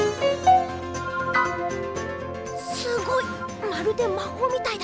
すごい！まるでまほうみたいだ。